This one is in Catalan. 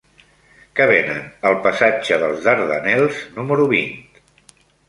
Què venen al passatge dels Dardanels número vint?